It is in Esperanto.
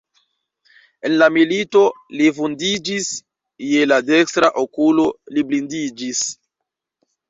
En la milito li vundiĝis, je la dekstra okulo li blindiĝis.